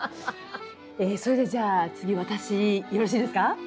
えっそれでじゃあ次私よろしいですか？